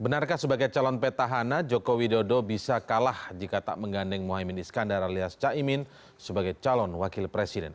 benarkah sebagai calon petahana jokowi dodo bisa kalah jika tak menggandeng muhaymin iskandar alias caimin sebagai calon wakil presiden